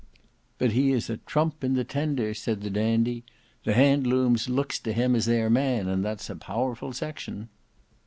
"But he is a trump in the tender," said the Dandy. "The Handlooms looks to him as their man, and that's a powerful section."